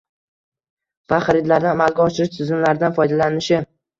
va xaridlarni amalga oshirish tizimlaridan foydalanishini